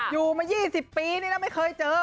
อยู่มา๒๐ปีนี่นะไม่เคยเจอ